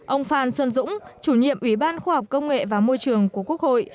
ông phan xuân dũng chủ nhiệm ủy ban khoa học công nghệ và môi trường của quốc hội